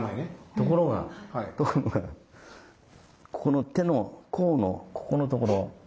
ところがここの手の甲のここのところ。